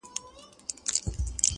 اوښکي ساتمه ستا راتلو ته تر هغې پوري,